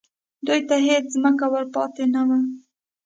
دوی ته هېڅ ځمکه ور پاتې نه وه